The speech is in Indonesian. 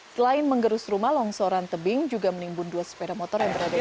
selain mengerus rumah longsoran tebing juga menimbul dua sepeda motor yang berada di garasi